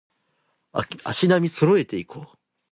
足並み揃えていこう